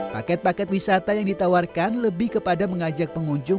paket paket wisata yang ditawarkan lebih kepada mengajak pengunjung